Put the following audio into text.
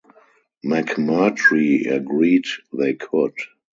McMurtry agreed they could.